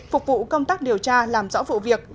phục vụ công tác điều tra làm rõ vụ việc